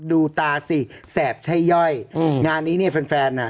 ดูตาสิแสบใช่ย่อยอืมงานนี้เนี่ยแฟนแฟนอ่ะ